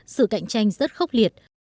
sự cạnh tranh rất khốc liệt